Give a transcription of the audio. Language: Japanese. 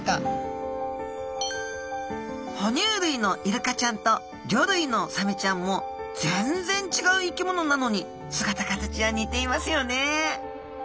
ほにゅう類のイルカちゃんと魚類のサメちゃんも全然違う生き物なのに姿形は似ていますよね。